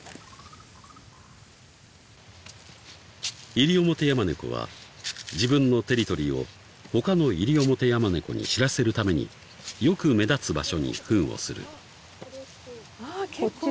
［イリオモテヤマネコは自分のテリトリーを他のイリオモテヤマネコに知らせるためによく目立つ場所にふんをする］